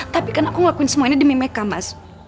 tapi kan aku ngelakuin semua ini demi makeu mas